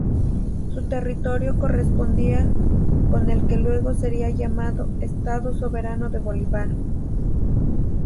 Su territorio correspondía con el que luego sería llamado "Estado Soberano de Bolívar".